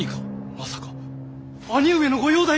まさか兄上のご容態が！